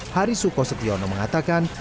harisuko setiono mengatakan